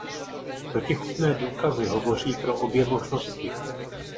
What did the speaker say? Protichůdné důkazy hovoří pro obě možnosti.